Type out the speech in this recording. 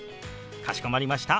かしこまりました。